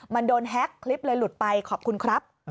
มันโดนแฮ็กคลิปเลยหลุดไปขอบคุณครับ